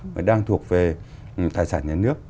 mà đang thuộc về tài sản nhà nước